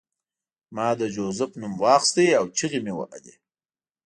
ما د جوزف نوم واخیست او چیغې مې وهلې